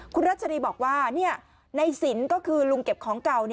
คุณรัชรีบอกว่าในสินก็คือลุงเก็บของเก่า